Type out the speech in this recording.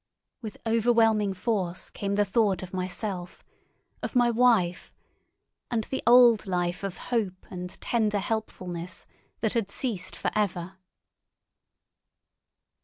... With overwhelming force came the thought of myself, of my wife, and the old life of hope and tender helpfulness that had ceased for ever.